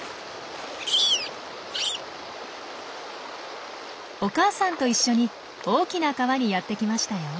お母さんと一緒に大きな川にやって来ましたよ。